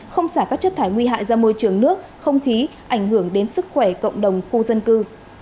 không xả các chất thải nguy hại ra môi trường nước không khí ảnh hưởng đến sức khỏe cộng đồng khu dân cư